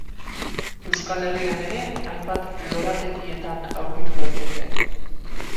Euskal Herrian ere hainbat lorategietan aurkitu daiteke.